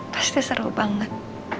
pasti seru banget